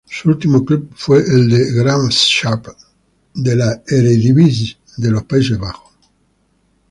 Su último club fue el De Graafschap de la Eredivisie de los Países Bajos.